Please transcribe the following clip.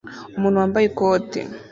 Umuntu wambaye ikoti